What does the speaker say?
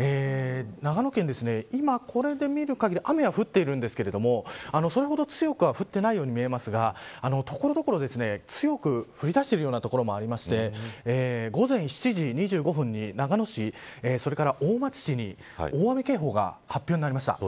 長野県、今これで見ると雨が降っているんですがそれほど強くは降っていないように見えますが所々、強く降りだしているような所もありまして午前７時２５分に長野市、それから大町市に大雨警報が発表になりました。